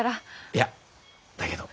いやだけど。